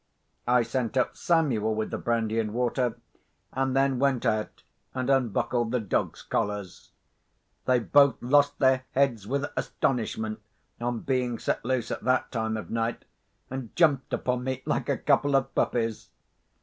I sent up Samuel with the brandy and water; and then went out and unbuckled the dogs' collars. They both lost their heads with astonishment on being set loose at that time of night, and jumped upon me like a couple of puppies!